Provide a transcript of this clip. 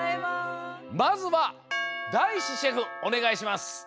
まずはだいしシェフおねがいします。